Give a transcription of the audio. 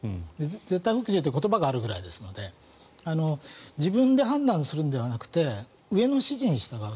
絶対服従という言葉があるくらいですので自分で判断するのではなくて上の指示に従う。